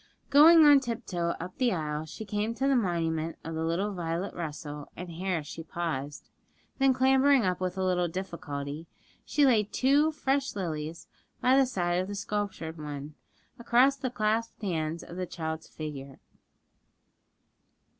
Going on tip toe up the aisle, she came to the monument of little Violet Russell, and here she paused, then clambering up with a little difficulty, she laid two fresh lilies by the side of the sculptured one, across the clasped hands of the child's figure.